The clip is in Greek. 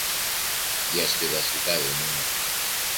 Διασκεδαστικά δεν είναι.